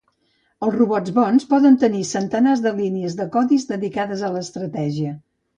Els robots bons poden tenir centenars de línies de codi dedicades a l'estratègia.